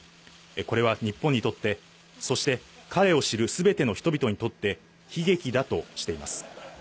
これは日本にとって、そして彼を知るすべての人々にとって悲劇だとしています。